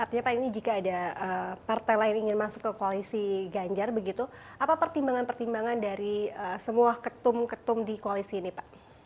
artinya pak ini jika ada partai lain ingin masuk ke koalisi ganjar begitu apa pertimbangan pertimbangan dari semua ketum ketum di koalisi ini pak